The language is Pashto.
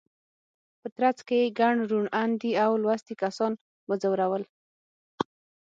په ترڅ کې یې ګڼ روڼ اندي او لوستي کسان وځورول.